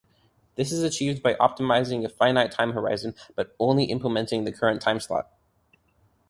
This is achieved by optimizing a finite time-horizon, but only implementing the current timeslot.